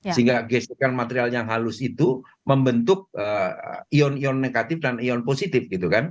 sehingga gesekan material yang halus itu membentuk ion ion negatif dan ion positif gitu kan